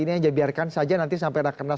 ini aja biarkan saja nanti sampai ada kena